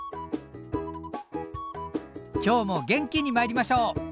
今日も元気にまいりましょう！